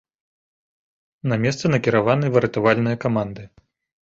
На месца накіраваны выратавальныя каманды.